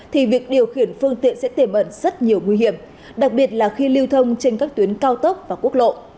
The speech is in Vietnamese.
thì việc điều khiển phương tiện sẽ tiềm ẩn rất nhiều nguy hiểm đặc biệt là khi lưu thông trên các tuyến cao tốc và quốc lộ